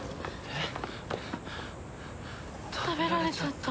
えっ？